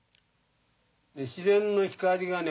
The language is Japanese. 自然の光がね